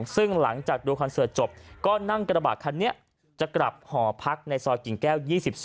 ซึ่งหลังจากดูคอนเสิร์ตจบก็นั่งกระบาดคันนี้จะกลับหอพักในซอยกิ่งแก้ว๒๒